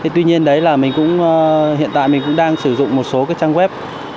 tuy nhiên đấy là hiện tại mình cũng đang sử dụng một số trang web